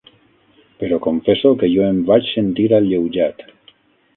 Però confesso que jo em vaig sentir alleujat.